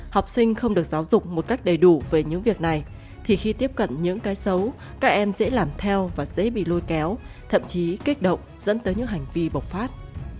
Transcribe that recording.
học sinh không được giáo dục một cách đầy đủ về những việc này thì khi tiếp cận những cái xấu các em dễ làm theo và dễ bị lôi kéo thậm chí kích động dẫn tới những hành vi bộc phát